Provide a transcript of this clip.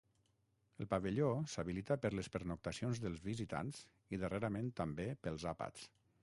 El pavelló s'habilita per les pernoctacions dels visitants i darrerament també pels àpats.